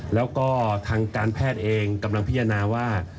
แล้วก็ทางการแพทย์เองกำลังพิจารณาว่า